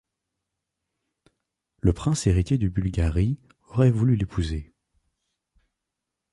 Le prince héritier de Bulgarie aurait voulu l'épouser.